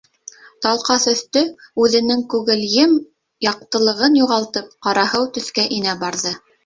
Талҡаҫ өҫтө, үҙенең күгелйем яҡтылығын юғалтып, ҡараһыу төҫкә инә барҙы.